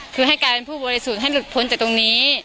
คือให้การเป็นผู้ปบริสูจน์ให้หลุดผนจากตรงนี้